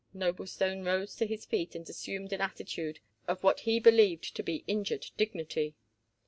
Noblestone rose to his feet and assumed an attitude of what he believed to be injured dignity.